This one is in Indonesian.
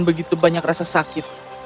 begitu banyak rasa sakit